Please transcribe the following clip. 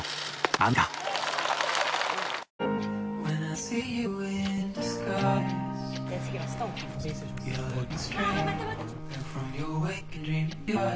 あっ！